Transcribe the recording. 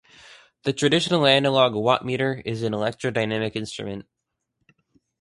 The traditional analog wattmeter is an electrodynamic instrument.